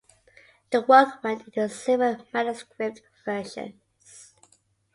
The work went into several manuscript versions.